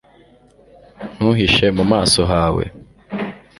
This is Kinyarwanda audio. ntuhishe mu maso hawe